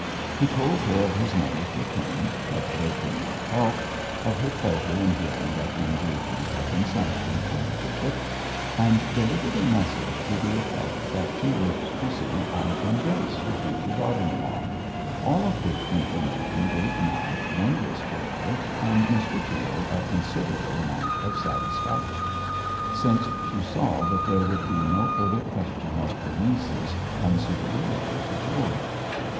He told her of his mother's return, of her renewed health, of her pleasure in hearing that the engagement had been sanctioned by the bishop, and delivered a message to the effect that she wished to see and embrace her future daughter in law all of which information gave Mab wondrous pleasure and Miss Whichello a considerable amount of satisfaction, since she saw that there would be no further question of her niece's unsuitability for George.